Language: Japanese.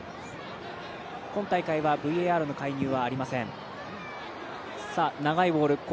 今大会はＶＡＲの介入はありません。